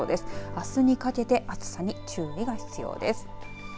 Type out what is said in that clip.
あすにかけて暑さに注意が必要です。